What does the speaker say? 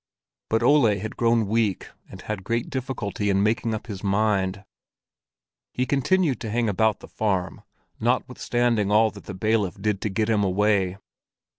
But Ole had grown weak and had great difficulty in making up his mind. He continued to hang about the farm, notwithstanding all that the bailiff did to get him away.